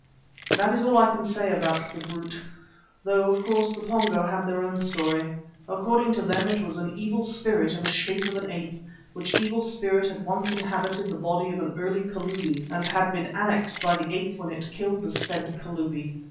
That is all I can say about the brute, though of course the Pongo had their own story. According to them it was an evil spirit in the shape of an ape, which evil spirit had once inhabited the body of an early Kalubi, and had been annexed by the ape when it killed the said Kalubi.